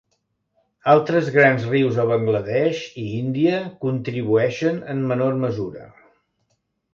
Altres grans rius a Bangladesh i Índia contribueixen en menor mesura.